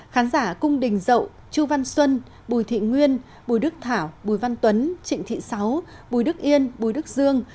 khán giả cung đình dậu chu văn xuân bùi thị nguyên bùi đức thảo bùi văn tuấn trịnh thị sáu bùi đức yên bùi đức dương